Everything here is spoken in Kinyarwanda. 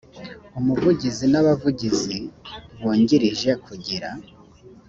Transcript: umuvugizi n abavugizi bungirije kugira